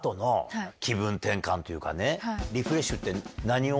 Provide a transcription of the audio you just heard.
リフレッシュって。